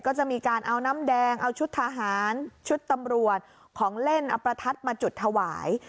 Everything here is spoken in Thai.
ก็จะมีการเอาน้ำแดงเอาชุดทหารชุดตำรวจของเล่นเอาประทัดมาจุดถวาย